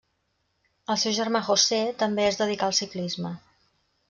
El seu germà José, també es dedicà al ciclisme.